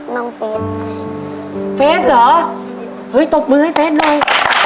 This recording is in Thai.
น้องเฟซไหมเฟซเหรอเฮ้ยตบมือให้เฟซเลย